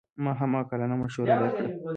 ما هم عاقلانه مشوره درکړه.